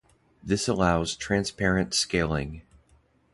This allows transparent scaling.